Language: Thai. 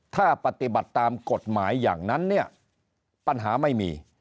ถ้าปฏิบัติตามกฎหมายอย่างนั้นเนี่ยปัญหาไม่มี